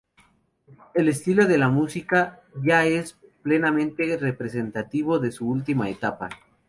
El estilo de la música ya es plenamente representativo de su última etapa.